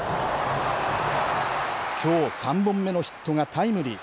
きょう３本目のヒットがタイムリー。